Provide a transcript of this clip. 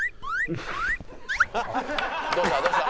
どうした？